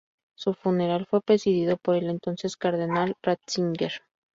Su funeral fue presidido por el entonces cardenal Ratzinger.